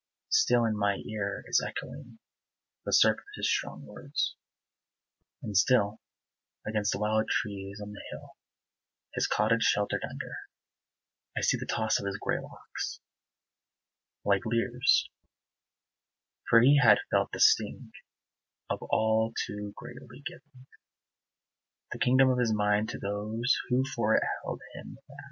Still in my ear is echoing The surf of his strong words, and still Against the wild trees on the Hill His cottage sheltered under, I see the toss of his gray locks, Like Lear's for he had felt the sting Of all too greatly giving The kingdom of his mind to those Who for it held him mad.